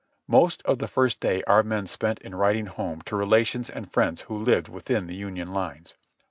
Most of the first day our men spent in writing home to relations and friends who lived within the Union lines.